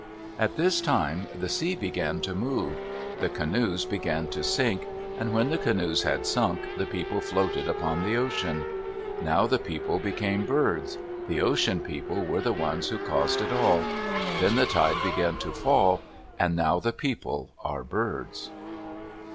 At this time the sea began to move. The canoes began to sink, and when the canoes had sunk, the people floated upon the ocean. Now the people became birds. The Ocean People were the ones who caused it all. Then the tide began to fall. And now the people are birds.